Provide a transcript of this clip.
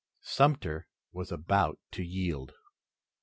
Sumter was about to yield.